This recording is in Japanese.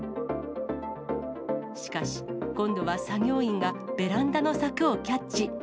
しかし今度は作業員がベランダの柵をキャッチ。